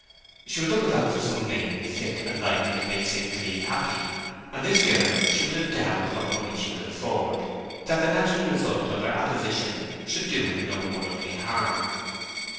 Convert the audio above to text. She would look about for some maiden fit and likely to make St. Cleeve happy; and this girl she would endow with what money she could afford, that the natural result of their apposition should do him no worldly harm.